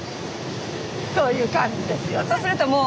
そういう感じですよね。